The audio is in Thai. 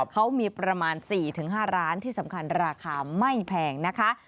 เขามีประมาณ๔๕ร้านที่สำคัญราคาไม่แพงนะคะ